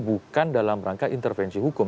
bukan dalam rangka intervensi hukum